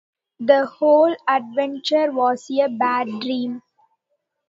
The whole adventure was a bad dream.